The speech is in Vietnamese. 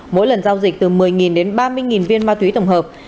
mỗi lần giao dịch từ một mươi đến ba mươi viên ma túy tổng hợp